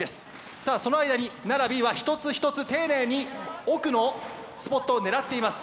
さあその間に奈良Ｂは一つ一つ丁寧に奥のスポットを狙っています。